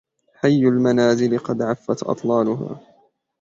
حي المنازل قد عفت أطلالها